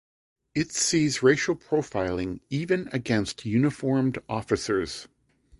It sees racial profiling even against uniformed officers.